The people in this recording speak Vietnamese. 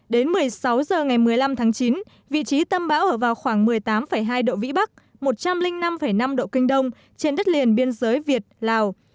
đến một mươi sáu h ngày một mươi năm tháng chín vị trí tâm bão ở vào khoảng một mươi tám hai độ vĩ bắc một trăm linh năm năm độ kinh đông trên đất liền biên giới việt lào